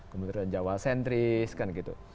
kementerian jawa sentris kan gitu